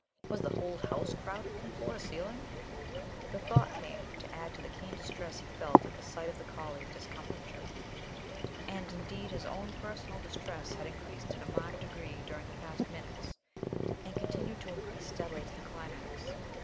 Was the whole house crowded from floor to ceiling? The thought came to add to the keen distress he felt at the sight of the collie's discomfiture. And, indeed, his own personal distress had increased in a marked degree during the past minutes, and continued to increase steadily to the climax.